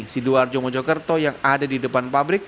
sidoarjo mojokerto yang ada di depan pabrik